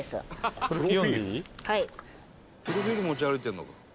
「プロフィール持ち歩いてるのか」